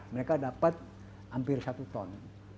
mereka dapat hampir satu ton